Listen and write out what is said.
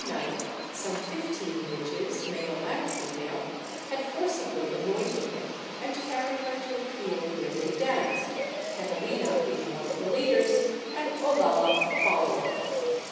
224 WITCHCRAFT [Book VIII some fifteen witches, male and female, had forcibly anointed her and carried her to a field where they danced, Catalina being one of the leaders and Olalla a follower.